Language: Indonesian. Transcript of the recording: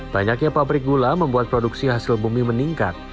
banyaknya pabrik gula membuat produksi hasil bumi meningkat